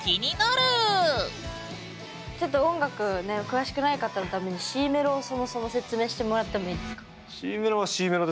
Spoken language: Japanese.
ちょっと音楽ね詳しくない方のためにＣメロをそもそも説明してもらってもいいですか？